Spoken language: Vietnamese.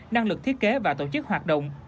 năng lực thiết kế và tổ chức hoạt động